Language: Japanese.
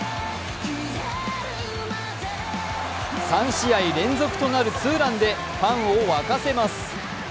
３試合連続となるツーランでファンを沸かせます。